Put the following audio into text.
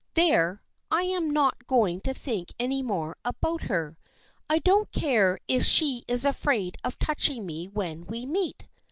There, I am not going to think any more about her. I don't care if she is afraid of touching me when we meet."